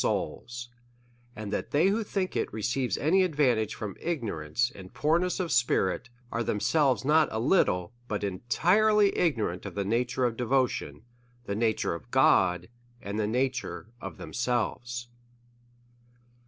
341 souls ; and that they who think it receives any advan tage from ignorance and poorness of spirit, are them selves not a little, but entirely ignorant of the nature of devotion, the nature of God, and the nature of themselves.